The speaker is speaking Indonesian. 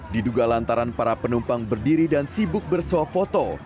diduga lantaran para penumpang berdiri dan sibuk bersuafoto